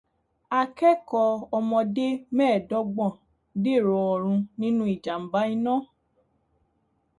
Akẹ́kọ̀ọ́ ọmọdé mẹ́ẹ̀dọ́gbọ̀n dèrò ọ̀run nínú ìjàmbá iná.